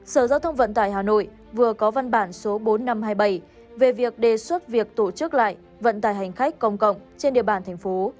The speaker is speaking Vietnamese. sở giao thông vận tải hà nội vừa có văn bản số bốn nghìn năm trăm hai mươi bảy về việc đề xuất việc tổ chức lại vận tài hành khách công cộng trên địa bàn thành phố